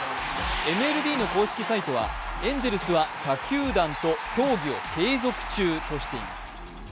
ＭＬＢの公式サイトはエンゼルスは他球団と協議を継続中としています。